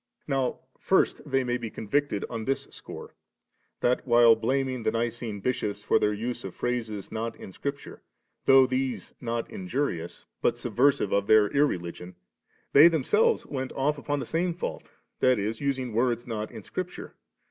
Now first they may be convicted on this score, that, while blaming the Nicene Bishops for their use of plmises not in Scripture, though these not injurious, hot subversive of their irreligion, they themselves went off upon the same fiiult, that is, using words not in Scripture *